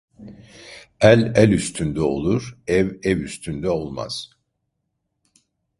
El el üstünde olur, ev ev üstünde olmaz.